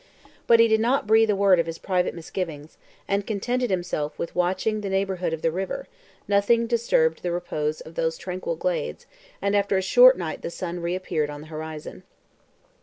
But he did not breathe a word of his private misgivings, and contented himself with watching the neighborhood of the river; nothing disturbed the repose of those tranquil glades, and after a short night the sun reappeared on the horizon.